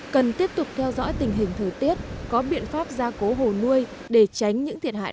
cần tiếp tục theo dõi tình hình thời tiết có biện pháp gia cố hồ nuôi để tránh những thiệt hại